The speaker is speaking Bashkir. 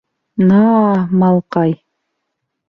— На-а-а, малҡай!